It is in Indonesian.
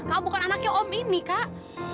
kamu bukan anaknya om ini kak